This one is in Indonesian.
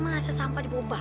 masa sampah dibawa